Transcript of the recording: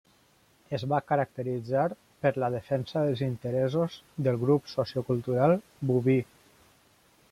Es va caracteritzar per la defensa dels interessos del grup sociocultural bubi.